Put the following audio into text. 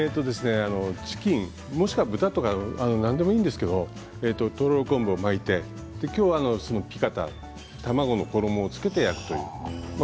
チキン、もしくは豚肉何でもいいんですがとろろ昆布を巻いて今日はピカタ卵の衣を付けて焼きます。